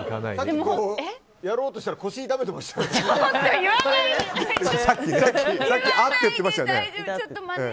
やろうとしたら腰痛めてましたもんね。